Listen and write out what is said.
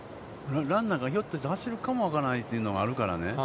ランナーがひょっとして走るかも分からないというところがあるからね。